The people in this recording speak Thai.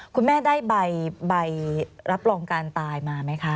คุณแม่ได้ใบรับรองการตายมาไหมคะ